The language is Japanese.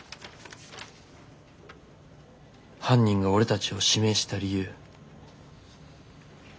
犯人が俺たちを指名した理由。